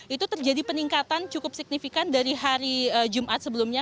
itu terjadi peningkatan cukup signifikan dari hari jumat sebelumnya